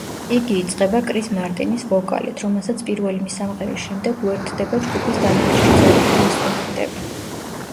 იგი იწყება კრის მარტინის ვოკალით, რომელსაც პირველი მისამღერის შემდეგ უერთდება ჯგუფის დანარჩენ წევრთა ინსტრუმენტები.